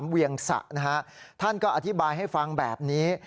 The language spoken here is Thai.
เวียงสะนะฮะท่านก็อธิบายให้ฟังแบบนี้